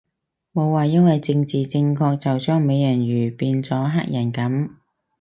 冇話因為政治正確就將美人魚變咗黑人噉